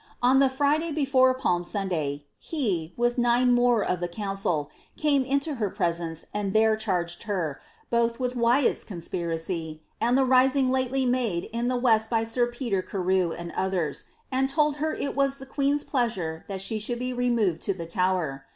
On the Friday before Palm Sunday, he, with nine more of the council, came into her presence, and there charged her, both with Wyat's conspiracy, and the rising lately made in the west by sir Peter Carew and others, and told her it was the queen's pleasure that she should be removed to die Tower.''